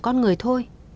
con người thôi